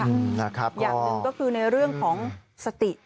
อย่างหนึ่งก็คือในเรื่องของสติ